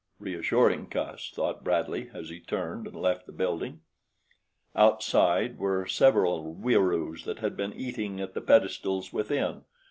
"Reassuring cuss," thought Bradley as he turned and left the building. Outside were several Wieroos that had been eating at the pedestals within.